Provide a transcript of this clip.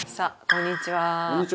「こんにちは」